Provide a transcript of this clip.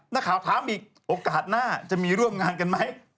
นักข่าวถามอีกโอกาสหน้าจะมีร่วมงานกันไหม